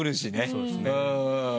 そうですね。